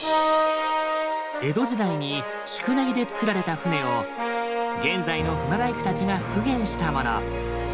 江戸時代に宿根木でつくられた船を現在の船大工たちが復元したもの。